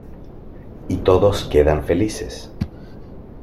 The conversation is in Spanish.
Y todos quedan felices.